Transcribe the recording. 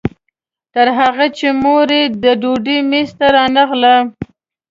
تر هغې چې مور یې د ډوډۍ میز ته رانغله.